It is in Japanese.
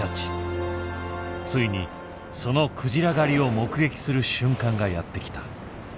ついにそのクジラ狩りを目撃する瞬間がやってきた。